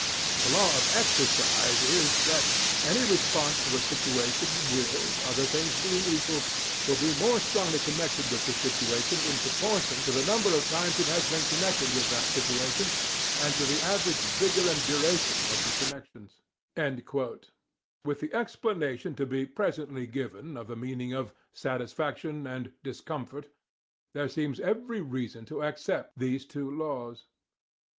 "The Law of Exercise is that: Any response to a situation will, other things being equal, be more strongly connected with the situation in proportion to the number of times it has been connected with that situation and to the average vigour and duration of the connections." With the explanation to be presently given of the meaning of "satisfaction" and "discomfort," there seems every reason to accept these two laws.